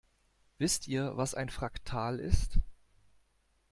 Wisst ihr, was ein Fraktal ist?